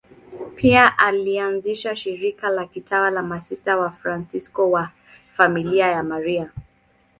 Pia alianzisha shirika la kitawa la Masista Wafransisko wa Familia ya Maria.